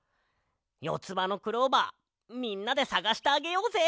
よつばのクローバーみんなでさがしてあげようぜ！